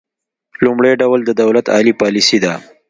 لومړی ډول د دولت عالي پالیسي ده